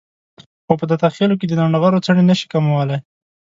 خو په دته خېلو کې د لنډغرو څڼې نشي کمولای.